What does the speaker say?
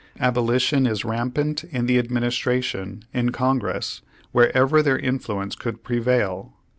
Abolition is rampant in the Administration, in Congress, wherever their influence could prevail.